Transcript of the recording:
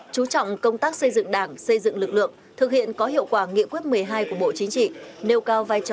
chú trọng công tác xây dựng đảng xây dựng lực lượng thực hiện có hiệu quả nghị quyết một mươi hai của bộ chính trị